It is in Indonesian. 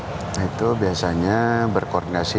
nah itu biasanya berkoordinasi